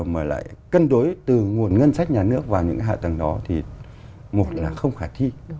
mà lại cân đối từ nguồn ngân sách nhà nước vào những cái hạ tầng đó thì một là không khả thi